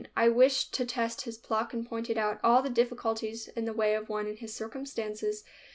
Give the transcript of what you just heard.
I wished to test his pluck and pointed out all the difficulties in the way of one in his circumstances.